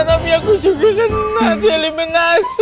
tapi aku juga kena dieliminasi